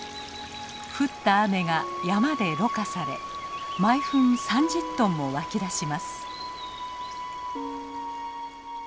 降った雨が山でろ過され毎分３０ｔも湧き出します。